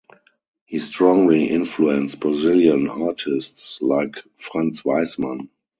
He strongly influenced Brazilian artists like Franz Weissmann.